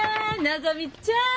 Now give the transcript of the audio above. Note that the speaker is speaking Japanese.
のぞみちゃん！